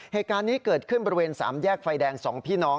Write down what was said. เหตุการณ์นี้เกิดขึ้นบริเวณ๓แยกไฟแดง๒พี่น้อง